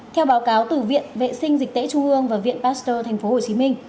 theo báo cáo từ viện vệ sinh dịch tễ trung ương và viện pasteur tp hcm